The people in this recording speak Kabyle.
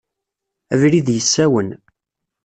Abrid yessawen.